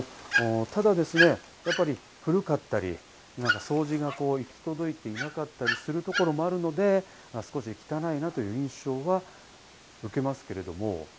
ただ古かったり、掃除が行き届いていなかったりするところもあるので少し汚いなという印象は受けます。